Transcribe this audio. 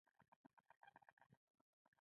موزیک د زړه د طپش غږ دی.